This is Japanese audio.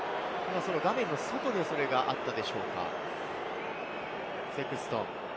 画面の外で、それがあったでしょうか？